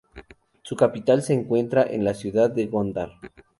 Su capital se encuentra en la ciudad de Gondar.